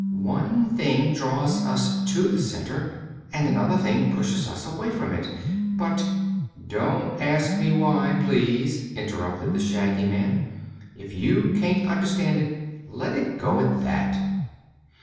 "One thing draws us to the center and another thing pushes us away from it. But " "Don't ask me why, please," interrupted the Shaggy Man. "If you can't understand it, let it go at that."